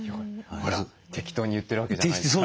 ほら適当に言ってるわけじゃないです。